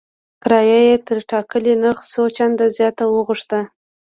کرایه یې تر ټاکلي نرخ څو چنده زیاته وغوښته.